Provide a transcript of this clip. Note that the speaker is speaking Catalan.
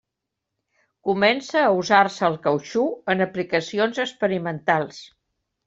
Comença a usar-se el cautxú en aplicacions experimentals.